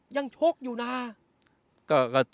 ยังโชคอยู่นาน